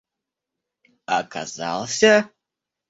оказался